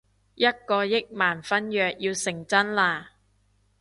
一個億萬婚約要成真喇